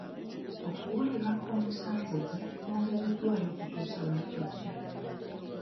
Okuwulirwa kw'omusango gwe kwongezeddwayo okutuusa wiiki ejja.